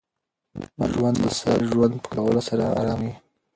ژوند د ساده ژوند په کولو سره ارام وي.